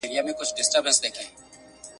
د روښانه سبا په هيله هڅې پکار دي.